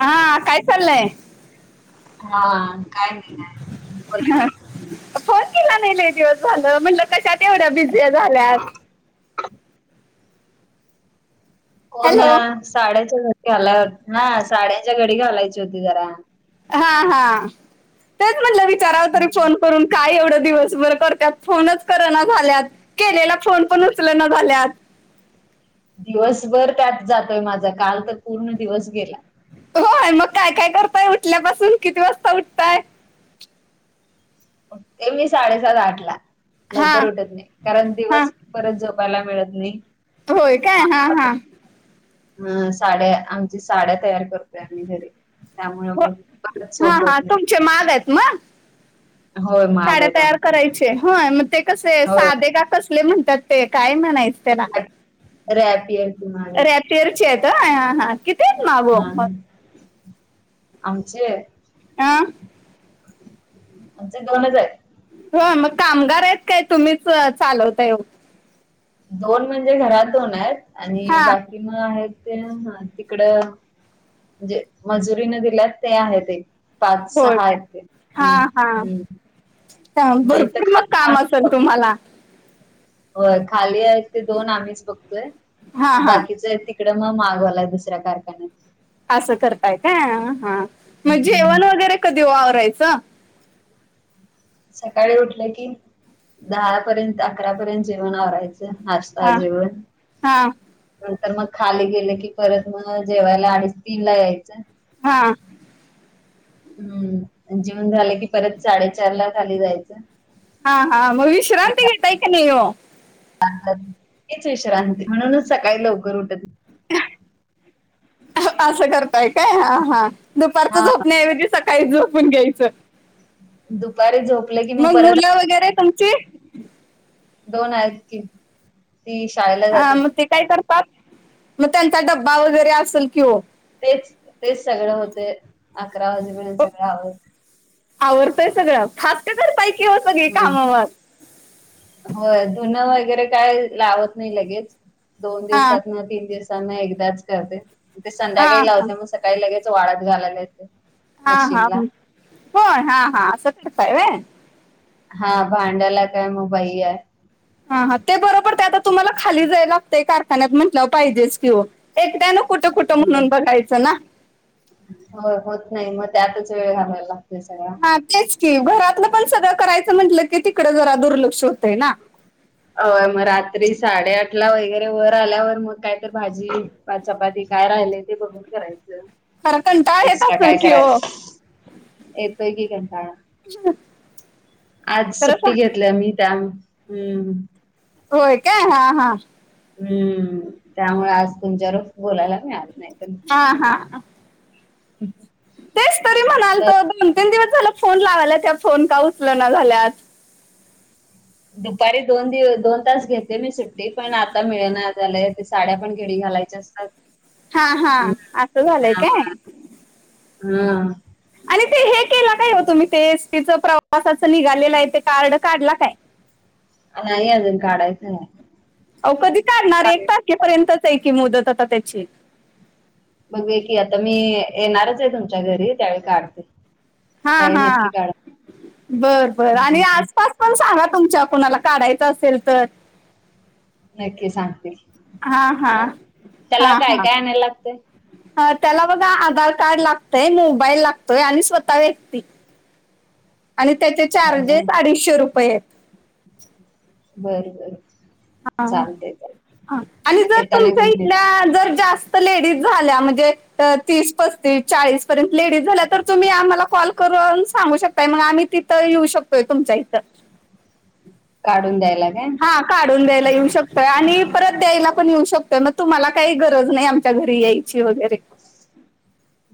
हा काय चाललय? हा. काय नाही काय बोला की. हा, फोन केला नाही लय दिवस झालं म्हटलं कशात एवढ बिझी झाल्यात. हो ना हॅलो साड्याच्या घडी घालत, ना साड्यांच्या घडी घालायची होती जरा. हा हा, तेच म्हटलं विचारावं तरी फोन करून. काय एवढं दिवसभर करत्यात फोनच कर ना झाल्यात, केलेला फोन पण उचल ना झाल्यात. दिवसभर त्यात जातोय माझा काल तर पूर्ण दिवस गेला. होय मग काय काय करताय उठल्यापासून किती वाजता उठताय? उठते मी साडेसात आठला, हा लवकर उठत नाही कारण हा दिवस परत झोपाला मिळत नाही. होय काय? हां हां. अ साड्या आमची साड्या तयार करतोय आम्ही घरी. त्यामुळ मग [unintelligible] सोप होत नाही. च्या माघ हायत म. होय महाग साड्या आहेत तयार आमचे करायचे हं मग ते कसे? हो साधे का कसले म्हणतात ते काय म्हणायच त्याला? रॅपियन. रॅपियर च्या हेत त हां कि हां आमचें? हां. आमचे दोनच आहे. हो मग कामगार आहेत काय? तुम्हीच चालवता ओ. दोन म्हणजे घरात दोन आहेत, आणि हा बाकी मग आहेत ते तिकडं म्हजे मजुरीने दिलेत ते आहेत ते, पाच सहा आहेत ते हम्म हम्म. म इथं भरपूर मग खाली काम आम्हीच असल बघतो तुम्हाला? होय खाली आहे ते दोन आम्हीच बघतोय हा हा बाकीचय ति कड मगं मालवालाय दुसऱ्या कारखान्यात. असं करताय काय? हां मग हम्म जेवण वगैरे कधी ओ आवरायचं? सकाळी उठल की, दहापर्यंत अकरापर्यंत जेवण आवरायचं नाश ता हा जेवन. हा नंतर मग खाली गेले की परत मग जेवायला अडीच तीन ला यायचं. हां. हम्म जेवन झालं की परत साडेचार ला खाली जायचं. हां हां मग विश्रांती घेताय का नाही ओ? [unintelligible] हेच विश्रांती म्हणूनच सकाळी लवकर उठत असं कर ताय का हा हा दुपारचं हा झोपण्याऐवजी सकाळी झोपून घ्यायचं. दुपारी झोपले मग मुलं वगैरे तुमची? दोन आहेत की. ती शाळेला हा जातात मग ते काय करतात? मग त्यांचा डब्बा वगैरे असेल की ओ. तेच तेच सगळं होते अकरा वाजेपर्यंत सगळं आवं आवरतय सगळं फास्ट करताय की हो सगळी हम्म काम मग. होय धून वगैरे काय लावत नाही लगेच दोन हा दिवसात ना तीन दिवस तन एकदाच करते ते हा संध्याकाळी हा लावते मग सकाळी लगेच वाळत घालायला येते. हा हा मशीनला. होय हा हा असं करताय व्हय. हा भांड्याला काय मग बाई आय. हा हा ते बरोबर ते आता तुम्हाला खाली जाय लागतय कारखान्यात म्हटलं पाहिजेच किं ओ एकट्यान कुठं कुठं म्हणून बघायचं ना. हो होत नाही मग त्यातच वेळ घालायला लागतोय सगळा. ह तेच की घरात पण सगळं करायचं म्हंटलं, की तिकड जरा दुर्लक्ष होतय ना. अ मग रात्री साडेआठ ला वगैरे वर आल्यावर मग काय त भाजी पा चपाती काय राहिलय ते बघून करायचं. खरं कंटाळा येत एक्स्ट्रा असेल काय कि हो करायच येतोय की कंटाळा. [inaudible] आज सुट्टी सांग घेतल्या मी त्या हम्म. होय का हां हां. हम्म त्यामुळे आज तुमच्या बर बोलायला मिळालं नाही त हा हा हां. [unintelligible] तेच तरी म्हणाल तर तो दोन तीन दिवस झाला फोन लावायला त्या फोन का उचल ना झाल्यात. दुपारी दोन दिव दोन तास घेते मी सुट्टी पण आता मिळ ना झालंय ते साड्या पण घेडी घालाय ज [unintelligible] हा हा आस झालंय काय? हम. आणि ते हे केला काय हो तुम्ही ते एसटीचं प्रवासाचं निघालेलं आहे ते कार्ड काढला काय? नाही अजून काढायचं हाय. आव कधी काढणार एक तारखेपर्यंतच आहे की मुदत आता त्याची. बघूया की आता मी येणारच आहे तुमच्या घरी त्यावेळी काढते. हा त्यावेळी हा, नक्की काढा बरं बर आणि हम्म आसपास पण सांगा तुमच्या कुणाला काढायचं असेल तर. नक्की सांगते, हा हा हं त्याला काय-काय आणायला लागतय. ह त्याला बघा आधार कार्ड लागतय, मोबाईल लागतोय आणि स्वतः व्यक्ती. आणि त्याचे काय काय चार्जेस अडीचशे रुपये. आहेत बरं बरं. हा चालतंय चालतंय आणि जर येताना तुमच्या घेऊन येते. इथल्या जर जास्त लेडीज झाल्या म्हणजे तीस पस्तीस चाळीसपर्यंत लेडीज झाल्या तर तुम्ही आम्हाला कॉल करून सांगू शकताय मग आम्ही तिथं येऊ शकतोय तुमच्या इथं. काढून द्यायला काय? हा बर काढून द्यायला येऊ शकतोय आणि परत द्यायला पण येऊ शकतोय मग तुम्हाला काही गरज नाही आमच्या घरी याय ची वगैरे.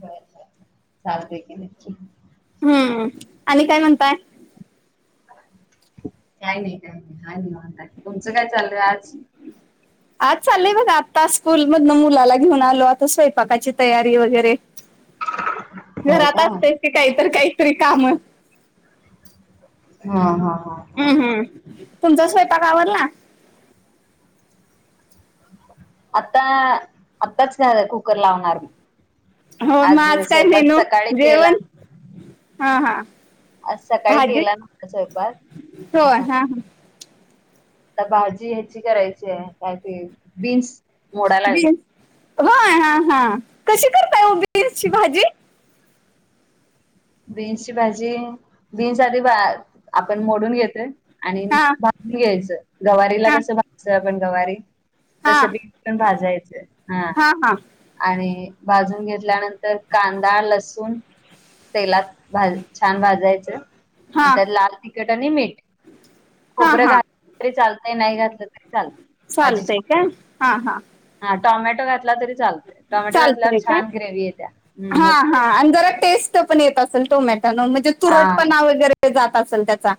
बर चालते की नक्की. हम्म आणि काय म्हणताय. काय नाही काय नाही हाय निवांत हाय तुमचं काय चालय आज. आज चालय बघा आत्ता स्कूल मधन मुलाला घेऊन आलो आता स्वयंपाकाची तयारी वगैरे होय घरात का असतंय की काहीतर काहीतरी काम. हा हा. हा हा. हम्म हम्म, तुमचा स्वयंपाक आवरला. आता आत्ताच कुकर लावणार मी. हो मग आज काय स्वयंपाक मेनू सकाळी केला. जेवण हा हा आज सकाळी भाजी केला नव्हता स्वयंपाक हा. आता भाजी ह्याची करायची आहे काय ते बीन्स मोडा लाग बीन्स होय हा हा कशी करताय हो बीन्सची भाजी‌. बीन्स ची भाजी बीन्स आधी आपण मोडून घेतोय आणि हा घ्यायचं गवारीला हा कसं भायचं आपण गवारी. हा तस बीन्स पण भाजायच हा. आणि भाजून घेतल्यानंतर कांदा, लसूण तेलात भा छान भाजायचं हा अन त्यात लाल तिखट आणि मीठ. हा खोबरं हा घातलं तरी चालतंय नाही घातलं तरी चालतय. चालतय काय? हा हा. हा टॉमॅटो घातला तरी चालत, टॉमॅटो घातल्यावर चालतंय काय छान ग्रेव येत्या हा मस्त हा येत्या. आणि जरा टेस्ट पण येत असेल टोमॅटो न म्हणजे हा तुरटपणा वगैरे जात असेल त्याचा.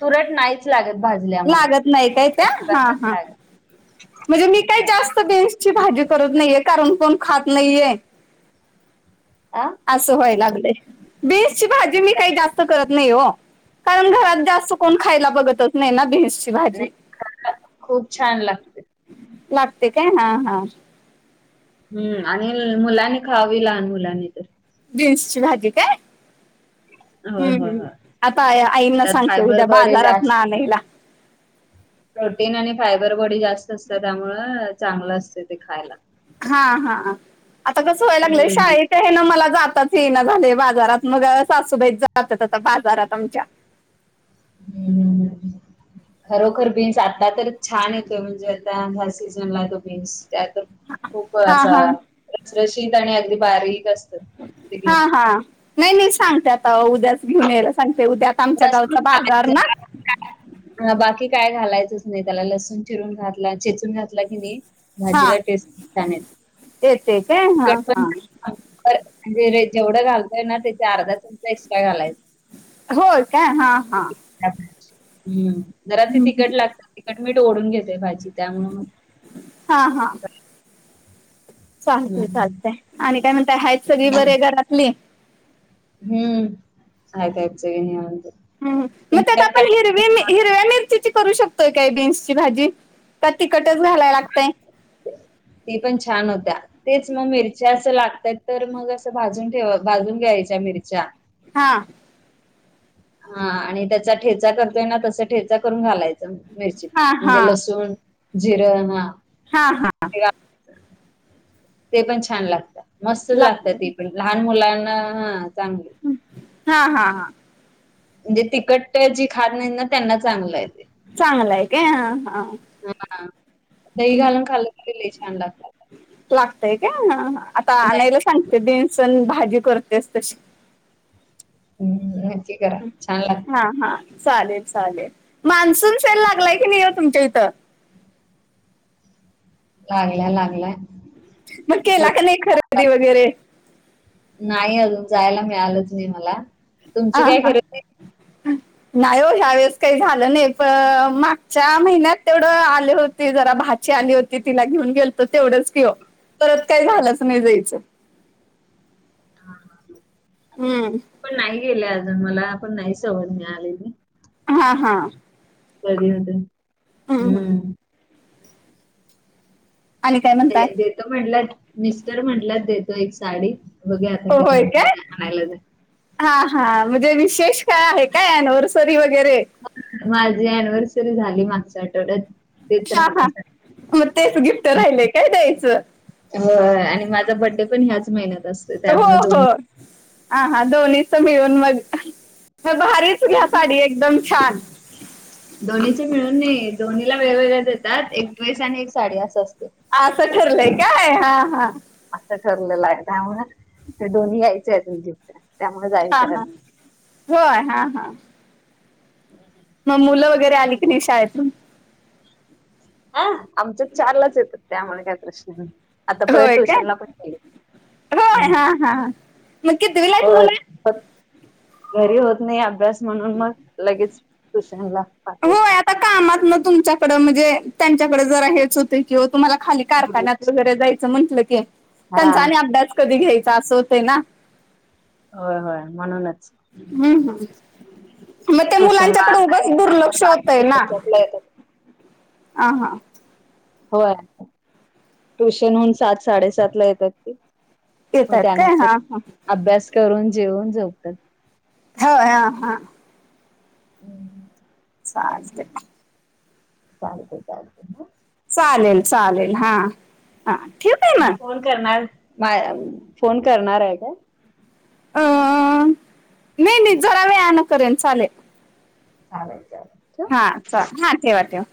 तुरट नाहीच लागत भाजल्यामुळं लागत नाही काय त्या हा अजिबातच हा. लागत म्हणजे मी काही जास्त बीन्सची भाजी करत नाहीये. कारण कोण खात नाहीये. आ. असं व्हाय लागलंय, बीन्सची भाजी मी काय काही जास्त करत नाही हो. कारण घरात जास्त कोण खायला बघतत नाही ना भेस. ती भाजी, नाही खरं खूप छान लागते लागते काय हा हा. हम्म आणि मुलांनी खावी लहान मुलांनी तर. बीन्स ची भाजी काय? होय हम्म होय हम्म होय आता आईंना त्यात सांगते फायबर उद्या बॉडी बाजारात ना जास्त आणायला. प्रोटीन आणि फायबर बॉडी जास्त असतात त्यामुळं चांगलं असते ते खायला. हा हा आता कस व्हायला लागलंय हम्म शाळेत त हे ना मला जातच ये ना झाले बाजारात मग सासूबाई च जातात आता बाजारात आमच्या. हम्म खरोखर बिन्स आता तर छान येतोय म्हणजे आता हा सीझन मध्ये बीन्स नायतर खूप हा असा हा फ्रेशित आणि अगदी बारीक असं हा हा नाही नाही सांगते आता उद्याच घेऊन यायला सांगते उद्या आमच्या गावचा बाजार ना [unintelligible] बाकी काय घालायचंच नाही त्याला लसूून चिरून घातला ठेचून घातला की नाही हा भाजीला टेस्ट खूप छान येते येते काय हां तिखट पण हां आन जीर घालतय ना ते च्या अर्धा चमचा एक्स्ट्रा घालायचं. होय काय हा हा. हम्म जरा ते हं. तिकट लागते तिकट मीठ ओढून घेते भाजी त्यामुळं मगं हा हा. चालतय हम्म चालतंय आणि काय म्हणताय हायत सगळी हम्म बरे घरातनी? हम्म [unintelligible] मग त्यात तुमच्यात आपण काय हिरवी मी ही रव्या मिरची करू शकतोय का बीन्सची भाजी का तिखटच घालाया लागतंय? ती पण छान होत्या. तेच मग मिरच्या असं लागतात तर मग असं भाजून ठे भाजून घ्यायच्या मिरच्या. हा. हा आणि त्याचा ठेचा करतोय ना तस ठेचा करून घालायचं. मिरचीत हां म्हणजे हां लसूण जिरं हां हा हा. ते पण छान लागता, मस्त लागतं लागते ते पणं. लहान मुलांना हा चांगले. हा हा हा. म्हणजे तिखट जी खात नाही ना त्यांना चांगलंय ते. चांगलंय का हा हा. हा दही घालून खाल्ल की लय छान लागतात. लागतय का हां हां आता आणायला दही सांगते बिन्स अण भाजी करतेस तशी. हम्म. करा छान लाग हा हा चालेल चालेल मान्सून सेल लागलाय की नाही तुमच्या इथं? लागला लागलाय. म गेला क नई नाही अजून जायला मिळालंच नाही मला. हा तुमची काय हा. खरेदी नाही हो ह्या वेळेस काही झालं नाही प मागच्या महिन्यात तेवढं आले होते ते जरा भाची आली होती तिला घेऊन गेलतो तेवढंच की हो परत काय झालंच नाही जायचं. हा हां हां. हम्म. पण नाही गेले अजून मला पण नाही सवड मिळालेली. हा हां. कधी होतंय हम्म हम्म. आणि काय म्हणताय देतो म्हटलात मिस्टर म्हटलत देतो एक साडी. बघुया आता होय कधी होते काय य आणायला जा हा हा म्हणजे विशेष काय आहे काय ॲनवरसरी वगैरे? माझी ॲनिव्हर्सरी झाली मागच्या आठवड्यात. तेच हा हा राहिल्यासाठी म तेच गिफ्ट राहिलंय काय द्यायचं? होय आणि माझा बड्डे पण ह्याच महिन्यात असतोय त्यामुळे दोन हां हां दोन्हीच मिळून मग मग बारीच घ्या साडी एकदम छान दोन्हीचे मिळून नाहीे दोन्हीला वेगवेगळ्या देतात एक ड्रेस आणि एक साडी असं असतंय. असं ठरलंय काय हा हा असं ठरलेलं आहे त्यामुळं ते दोन्ही यायचेत गिफ्ट त्यामुळे हा जायचं आहे हा अजून. होय हा हा हम् हम म मुलं वगैरे आली की नाही शाळेतून? हां आमच्या चारलाच येतात त्यामुळे काय प्रश्न ना आता परत होय काय ट्युशनला पण नेईल हं होय हा हा मग कितवीला आहेत होय मुलं घरी होत नाही अभ्यास म्हणून मग लगेच ट्युशनला पाठ कामातनं तुमच्याकडं म्हणजे त्यांच्याकडं जरा हेच होतंय कि वो तुम्हाला खाली कारखान्यात वगैरे जायचं म्हटलं की हा त्यांचा आणि अभ्यास कधी घ्यायचा असं होतं ना. होय होय म्हणूनच हम् हम् म ते ट्युशनला मुलांच्याकडं आता उगच आता दुर्लक्ष सात होतंय ना साडेसात ला येतात. हां हां होय ट्युशनहुन सात साडेसात ला येतात ते येत मग आहेत काय त्यानंतर हा हा अभ्यास करून जेवून झोपतात. होय हा हा हम चालतंय. चालतंय चालतंय हं चालेल चालेल हा, हा ठीवू काय आणि म? फोन करणार बाळ अ फोन करणार हाय काय? अं नाही नाही जरा वेळान करेन चालेल अरेच्या! हा च हा ठेवा ठेव